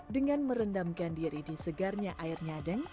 dengan merendamkan diri di segarnya air nyadeng